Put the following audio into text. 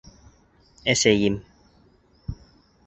Әсәйем